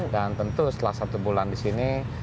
dan tentu setelah satu bulan di sini